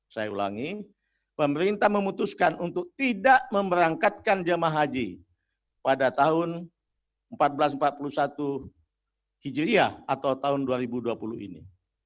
saya ulangi pemerintah memutuskan untuk tidak memberangkatkan jemaah haji pada tahun seribu empat ratus empat puluh satu hijriah atau tahun dua ribu dua puluh ini